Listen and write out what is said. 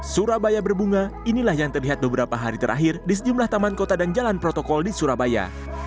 surabaya berbunga inilah yang terlihat beberapa hari terakhir di sejumlah taman kota dan jalan protokol di surabaya